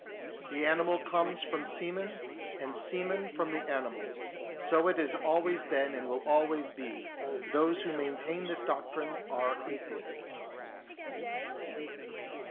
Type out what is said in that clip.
The animal comes from semen and semen from the animal ; so it has always been and will always be ; those who maintain this doctrine are atheists.